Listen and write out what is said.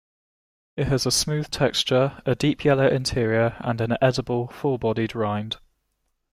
It has a smooth texture, a deep yellow interior and an edible, full-bodied rind.